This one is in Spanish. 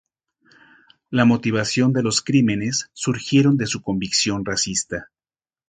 La motivación de los crímenes surgieron de su convicción racista.